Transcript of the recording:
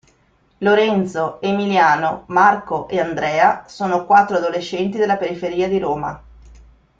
Lorenzo, Emiliano, Marco e Andrea sono quattro adolescenti della periferia di Roma.